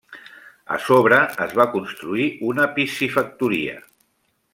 A sobre es va construir una piscifactoria.